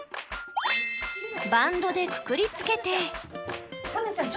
バンドでくくりつけて。